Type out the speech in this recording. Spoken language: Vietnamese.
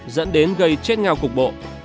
dẫn đến gây chết ngao cục bộ